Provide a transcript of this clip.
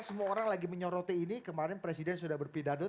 semua orang lagi menyoroti ini kemarin presiden sudah berpidadut